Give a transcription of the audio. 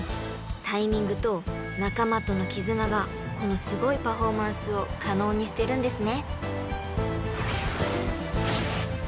タイミングと仲間との絆がこのすごいパフォーマンスを可能にしてるんですね］